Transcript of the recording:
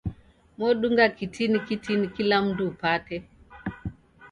modunga kitini kitini kila mundu upate.